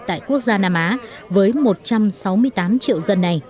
tại quốc gia nam á với một trăm sáu mươi tám triệu dân này